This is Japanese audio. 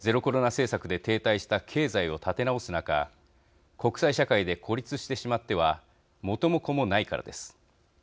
政策で停滞した経済を立て直す中国際社会で孤立してしまっては元も子もないからです。